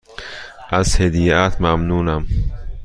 از هدیهات ممنونم.